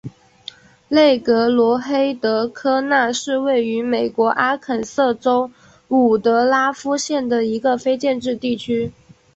内格罗黑德科纳是位于美国阿肯色州伍德拉夫县的一个非建制地区。